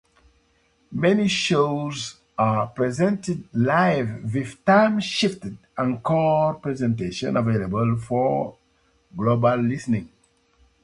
Many shows are presented live with time-shifted encore presentations available for global listening.